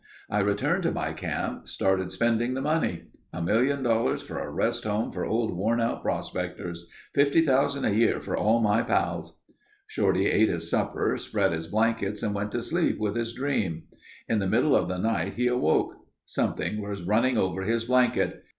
"I returned to my camp, started spending the money. A million dollars for a rest home for old worn out prospectors. Fifty thousand a year for all my pals...." Shorty ate his supper, spread his blankets and went to sleep with his dream. In the middle of the night he awoke. Something was running over his blanket.